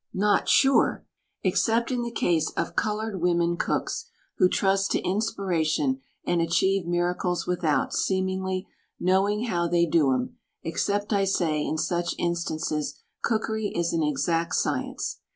Not sure! Except in the case of colored women cooks, who trust to inspiration and achieve miracles without, seemingly, knowing how they do 'em — except, I say, in such in stances, cookery is an exact science.